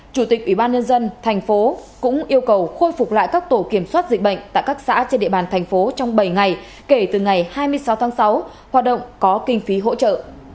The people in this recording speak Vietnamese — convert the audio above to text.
chủ tịch ubnd tp cũng yêu cầu khôi phục lại các tổ kiểm soát dịch bệnh tại các xã trên địa bàn tp trong bảy ngày kể từ ngày hai mươi sáu tháng sáu hoạt động có kinh phí hỗ trợ